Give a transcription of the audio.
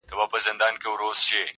چي نه دي وي په خوا، هغه سي تا ته بلا.